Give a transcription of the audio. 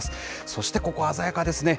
そしてここは鮮やかですね。